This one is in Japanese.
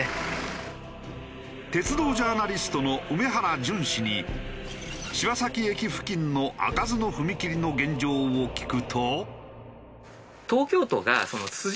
鉄道ジャーナリストの梅原淳氏に柴崎駅付近の開かずの踏切の現状を聞くと。